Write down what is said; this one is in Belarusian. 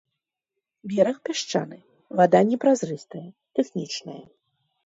Бераг пясчаны, вада не празрыстая, тэхнічная.